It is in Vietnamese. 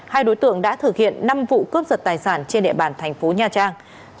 hai đối tượng đã thực hiện năm vụ cướp giật tài sản trên địa bàn thành phố nha trang